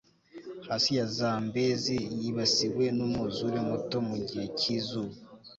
hasi ya zambezi yibasiwe n'umwuzure muto mu gihe cyizuba